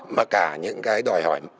mà cả những cái đòi hỏi